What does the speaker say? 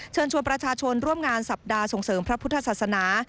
เชิญชวนประชาชนร่วมงานสัปดาห์ส่งเสริมพระพุทธศาสนา